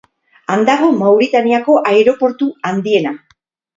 Han dago Mauritaniako aireportu handiena.